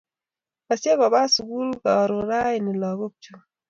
Kasyekopa sukul karon raini lagok chuk.